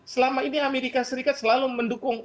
selama ini amerika serikat selalu mendukung